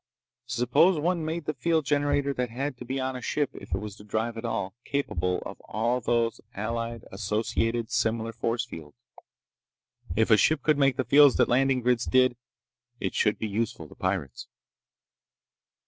Suppose one made the field generator that had to be on a ship if it was to drive at all, capable of all those allied, associated, similar force fields? If a ship could make the fields that landing grids did, it should be useful to pirates.